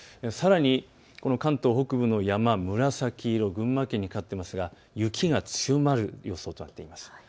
さらにこの関東北部の山、紫色、群馬県にかかっていますが雪が強まる予想となっています。